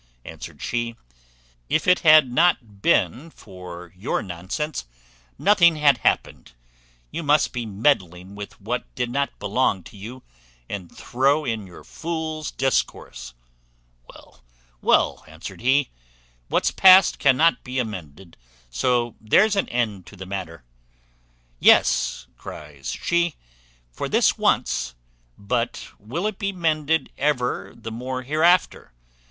answered she: "if it had not been for your nonsense, nothing had happened. You must be meddling with what did not belong to you, and throw in your fool's discourse." "Well, well," answered he; "what's past cannot be mended, so there's an end of the matter." "Yes," cries she, "for this once; but will it be mended ever the more hereafter?